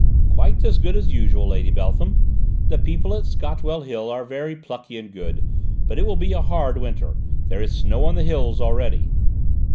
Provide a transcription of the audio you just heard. "Quite as good as usual, Lady Beltham. The people at Scotwell Hill are very plucky and good, but it will be a hard winter; there is snow on the hills already."